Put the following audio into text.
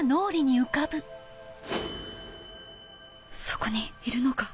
そこにいるのか？